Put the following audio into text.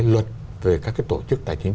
luật về các tổ chức tài chính